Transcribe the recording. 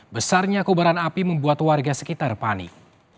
besarnya kobaran api membuat warga sekitar panik